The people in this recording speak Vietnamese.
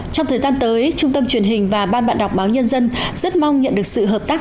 trong thời gian tới trung tâm truyền hình và ban bạn đọc báo nhân dân rất mong nhận được sự hợp tác